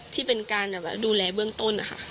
ที่เป็นการดูแลเบื้องต้นนะคะ